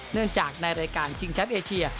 เนื่องจากในรายการชิงแชมป์เอเชีย